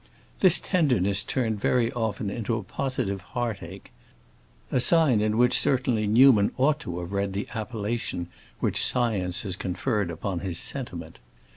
This tenderness turned very often into a positive heartache; a sign in which, certainly, Newman ought to have read the appellation which science has conferred upon his sentiment.